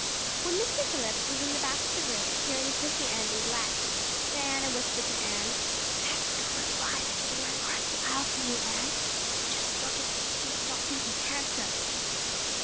When Mr. Phillips was in the back of the room hearing Prissy Andrews's Latin, Diana whispered to Anne, "That's Gilbert Blythe sitting right across the aisle from you, Anne. Just look at him and see if you don't think he's handsome."